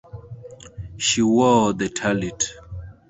She wore the tallit.